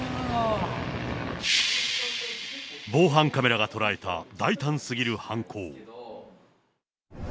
防犯カメラが捉えた大胆すぎる犯行。